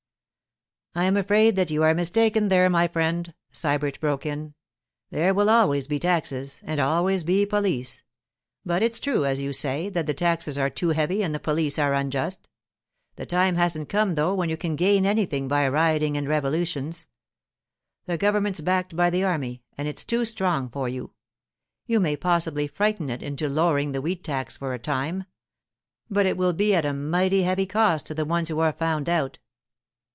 'I am afraid that you are mistaken there, my friend,' Sybert broke in. 'There will always be taxes and always be police. But it's true, as you say, that the taxes are too heavy and the police are unjust. The time hasn't come, though, when you can gain anything by rioting and revolutions. The government's backed by the army, and it's too strong for you. You may possibly frighten it into lowering the wheat tax for a time, but it will be at a mighty heavy cost to the ones who are found out.